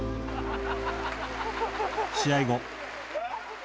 試合後。